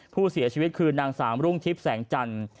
ผู้เสียชีวิตคือนางสามรุ่งทิพย์แสงจันทร์